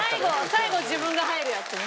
最後自分が入るやつね。